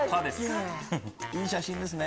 いい写真ですね。